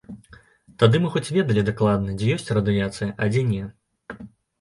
Тады мы хоць ведалі дакладна, дзе ёсць радыяцыя, а дзе не.